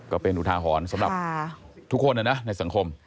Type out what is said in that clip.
ก็เป็นอุทาหรณ์สำหรับทุกคนนะในสังคม